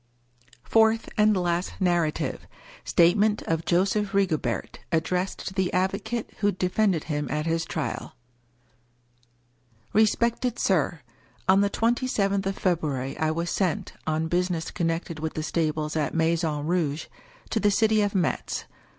FOURTH (AND LAST) NARRATIVE STATEMENT OF JOSEPH RIGOBERT*. ADDRESSED TO THE ADVO CATE WHO DEFENDED HIM AT HIS TRIAL Respected Sir, — On the twenty seventh of February I was sent, on business connected with the stables at Maison Rouge, to the city of Metz.